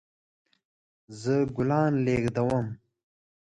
زه ګلان لیږدوم